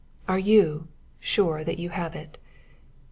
Are YOU sure that you have it?